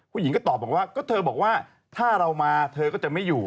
ผู้หญิงก็ตอบบอกว่าก็เธอบอกว่าถ้าเรามาเธอก็จะไม่อยู่